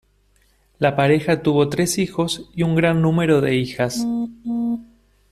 La pareja tuvo tres hijos y un gran número de hijas.